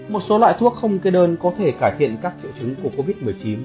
một số loại thuốc không kê đơn có thể cải thiện các triệu chứng của covid một mươi chín